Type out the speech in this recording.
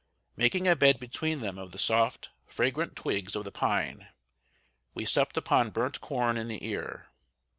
Making a bed between them of the soft, fragrant twigs of the pine, we supped upon burnt corn in the ear.